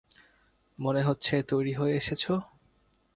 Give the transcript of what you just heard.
মনে হচ্ছে তৈরি হয়ে এসেছ।